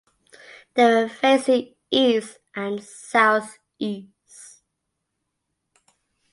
They were facing east and southeast.